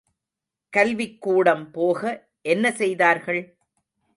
கல்விக் கூடம் போக என்ன செய்தார்கள்?